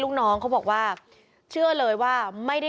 ลูกนั่นแหละที่เป็นคนผิดที่ทำแบบนี้